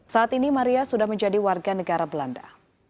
saat ini maria sudah menjadi warga negara belanda